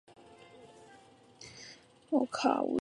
山内面是大韩民国庆尚北道庆州市下辖的一个面。